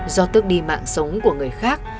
do tước đi mạng sống của người khác